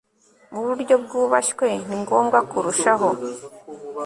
Mu buryo bwubashywe ni ngombwa kurushaho